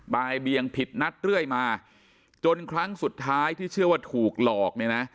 บายเบียงผิดนัดเรื่อยมาจนครั้งสุดท้ายที่เชื่อว่าถูกหลอกเนี่ยนะ